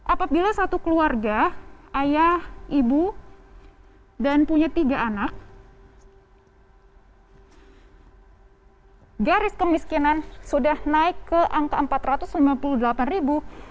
apabila satu keluarga ayah ibu dan punya tiga anak garis kemiskinan sudah naik ke angka empat ratus lima puluh delapan ribu